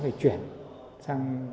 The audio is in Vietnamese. hoặc là chuyển sang cái giao thông